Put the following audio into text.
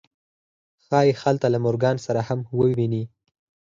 ښایي هلته له مورګان سره هم وویني